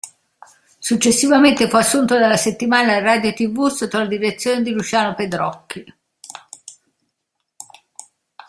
Successivamente fu assunto dalla "Settimana Radio Tv", sotto la direzione di Luciano Pedrocchi.